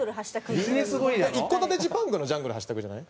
一戸建てジパングのジャングルはしたくじゃない？